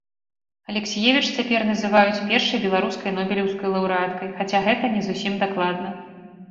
Алексіевіч цяпер называюць першай беларускай нобелеўскай лаўрэаткай, хаця, гэта не зусім дакладна.